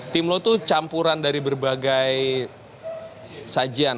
tim lo itu campuran dari berbagai sajian